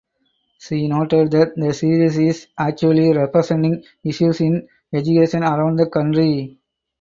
She noted that the series is "actually representing issues in education around the country".